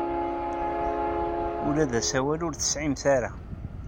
Ula d asawal ur t-tesɛimt ara.